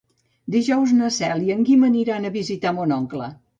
Dijous na Cel i en Guim aniran a visitar mon oncle.